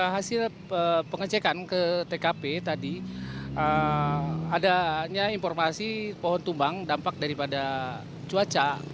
hasil pengecekan ke tkp tadi adanya informasi pohon tumbang dampak daripada cuaca